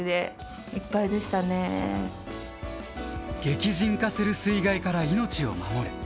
激甚化する水害から命を守る。